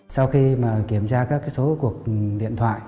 sau khi kiểm tra các số cuộc điện thoại